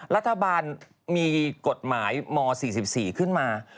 รัฐบาลมีกฎหมายม๔๔ขึ้นมา